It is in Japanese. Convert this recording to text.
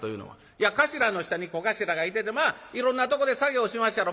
「いや頭の下に小頭がいててまあいろんなとこで作業しまっしゃろ。